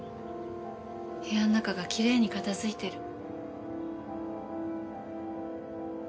部屋の中がきれいに片づいてる。